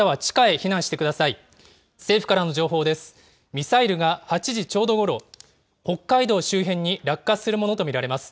ミサイルが８時ちょうどごろ、北海道周辺に落下するものと見られます。